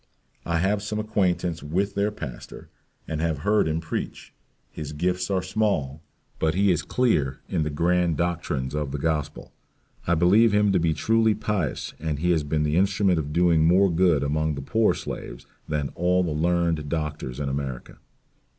I have some acquaintance with their pastor, and have heard him preach; his gifts are small, but he is clear in the grand doctrines of the Gospel. I believe him to be truly pious and he has been the instrument of doing more good among the poor slaves than all the learned doctors in America."